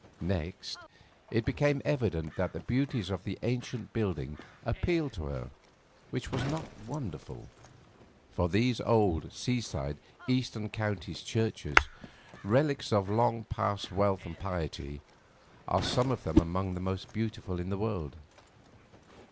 Next, it became evident that the beauties of the ancient building appealed to her, which was not wonderful; for these old, seaside, eastern counties churches, relics of long past wealth and piety, are some of them among the most beautiful in the world.